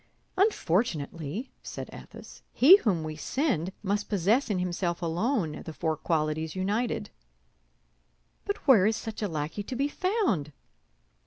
"Unfortunately," said Athos, "he whom we send must possess in himself alone the four qualities united." "But where is such a lackey to be found?"